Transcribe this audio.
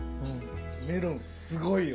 メロンすごいよ。